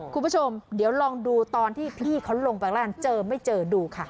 คุณผู้ชมเดี๋ยวลองดูตอนที่พี่เขาลงไปแล้วกันเจอไม่เจอดูค่ะ